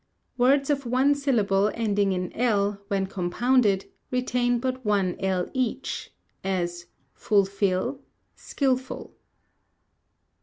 Words of one syllable ending in l, when compounded, retain but one l each; as, fulfil, skilful.